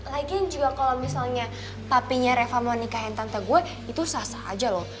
lagi juga kalau misalnya papinya reva mau nikahin tante gue itu sah sah aja loh